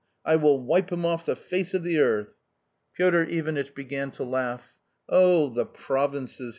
I will wipe him off the face of the earth !" Piotr Ivanitch began to laugh. " Oh, the provinces